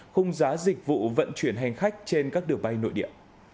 khung giá dịch vụ vận chuyển hành khách trên các đường bay nội địa